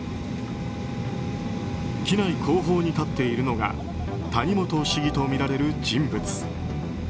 機内後方に立っているのが谷本市議とみられる人物。